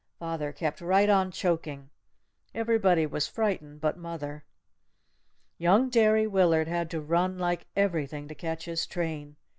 Father kept right on choking. Everybody was frightened but mother. Young Derry Willard had to run like everything to catch his train.